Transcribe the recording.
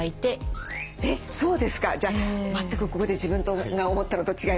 じゃあ全くここで自分が思ったのと違いました。